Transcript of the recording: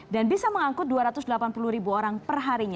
dan bisa mengangkut dua ratus delapan puluh ribu orang perharinya